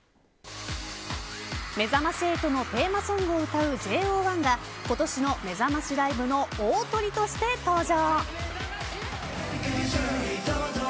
めざまし８のテーマソングを歌うＪＯ１が今年のめざましライブの大トリとして登場。